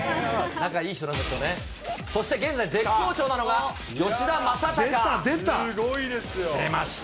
そして、現在、絶好調なのが出た、出た。